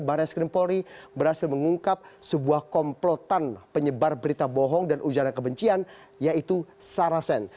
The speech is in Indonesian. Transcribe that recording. baris krim polri berhasil mengungkap sebuah komplotan penyebar berita bohong dan ujaran kebencian yaitu sarasen